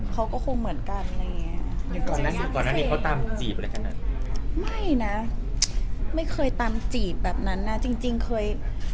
เขาก็คงเหมือนกันนะอย่างนั้นแต่ไม่เคยตามจีบแบบนั้นน่ะจริงค่อย